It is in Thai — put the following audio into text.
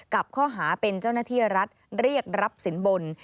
กับข้อหาเป็นเจ้าหน้าที่รัฐเรียกรับสินบน